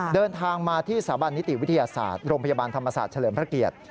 เดินทางมาที่สถาบันนิติวิทยาศาสตร์โรงพยาบาลธรรมศาสตร์เฉลิมพระเกียรติ